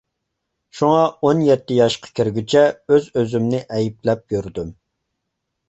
شۇڭا، ئون يەتتە ياشقا كىرگۈچە ئۆز-ئۆزۈمنى ئەيىبلەپ يۈردۈم.